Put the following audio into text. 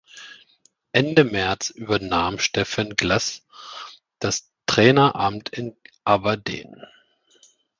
Ende März übernahm Stephen Glass das Traineramt in Aberdeen.